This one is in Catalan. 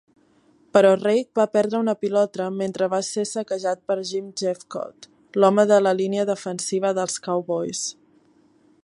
Però Reich va perdre una pilota mentre va ser saquejat per Jim Jeffcoat, l'home de la línia defensiva dels Cowboys.